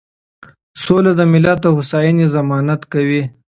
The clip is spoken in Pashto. سوله د ملت د هوساینې ضمانت کوي.